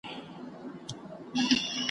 خو په واشنګټن او د نړۍ په نورو سیمو کي ,